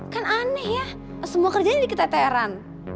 kan aneh ya semua kerjanya jadi keteteran